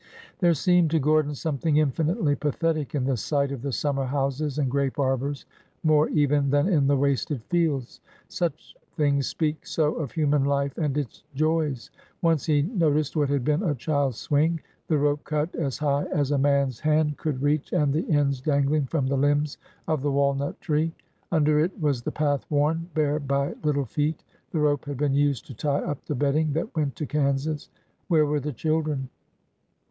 There seemed to Gordon something infinitely pathetic in the sight of the summer houses and grape arbors, more even than in the wasted fields. Such things speak so of human life and its joys. Once he noticed what had been a child's swing, the rope cut as high as a man's hand could SCATTERED AND PEELED" 331 teach and the ends dangling from the limbs of the walnut tree. Under it was the path worn bare by little feet. The rope had been used to tie up the bedding that went to Kansas. Where were the children?